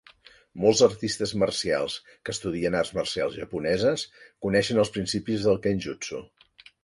Molts artistes marcials que estudien arts marcials japoneses coneixen els principis del kenjutsu.